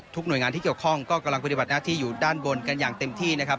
หน่วยงานที่เกี่ยวข้องก็กำลังปฏิบัติหน้าที่อยู่ด้านบนกันอย่างเต็มที่นะครับ